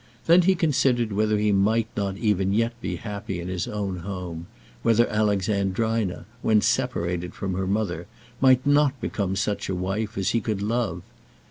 Then he considered whether he might not even yet be happy in his own home, whether Alexandrina, when separated from her mother, might not become such a wife as he could love.